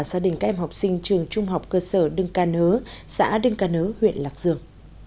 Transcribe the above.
gia đình các em học sinh trường trung học cơ sở đưng ca nớ xã đưng ca nớ huyện lạc dương